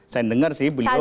saya dengar sih beliau